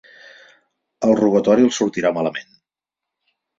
El robatori els sortirà malament.